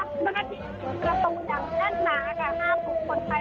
สำคัญชุดเย็นหัวแน่นไม่เป็นไร